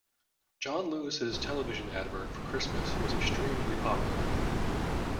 John Lewis’s television advert for Christmas was extremely popular